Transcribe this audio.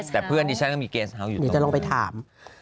แต่เพื่อนดิฉันก็มีเกสเฮาว์อยู่ตรงนั้น